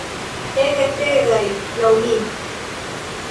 Ege tedaj, laŭ mi.